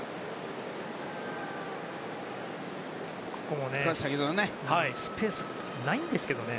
ここもスペースないんですけどね。